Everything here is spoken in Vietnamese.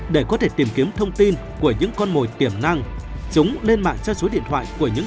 để có thể tìm kiếm thông tin của những con mồi tiềm năng chúng nên mạng cho số điện thoại của những